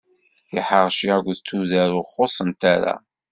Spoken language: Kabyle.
Tiḥerci aked tudert ur xuṣṣent ara.